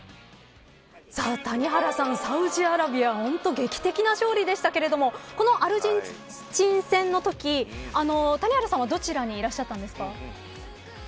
谷原さん、サウジアラビア本当に劇的な勝利でしたけれどアルゼンチン戦のとき谷原さんは、どちらにいらっしゃったんですか。